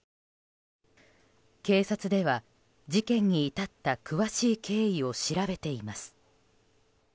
警察では、事件に至った詳しい経緯を調べています。